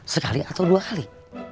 sekali atau dua kali